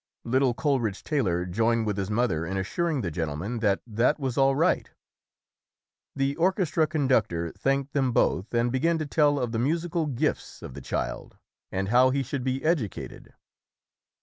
Little Coleridge Taylor joined with his mother in assuring the gentleman that that was all right. The orchestra conductor thanked them both, and began to tell of the musi cal gifts of the child and how he should be edu cated.